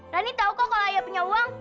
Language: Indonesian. rani tau kok kalau ayah punya uang